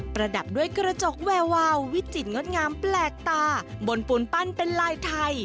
ระดับด้วยกระจกแวววาววิจิตรงดงามแปลกตาบนปูนปั้นเป็นลายไทย